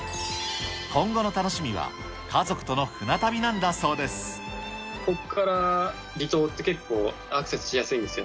今後の楽しみは、ここから離島って結構、アクセスしやすいんですよ。